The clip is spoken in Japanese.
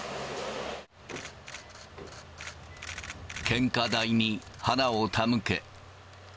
献花台に花を手向け。